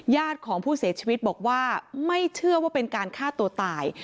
ญาติของผู้เสียชีวิตบอกว่าไม่เชื่อว่าเป็นการฆ่าตัวตาย